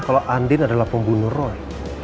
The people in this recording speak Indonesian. kalau andin adalah pembunuh roy